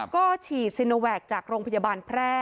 ก็ฉี่โซนิเนอร์แวจจากโรงพยาบาลแพร่